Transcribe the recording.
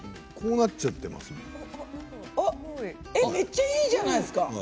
めっちゃいいじゃないですか。